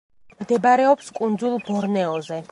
მდებარეობს კუნძულ ბორნეოზე.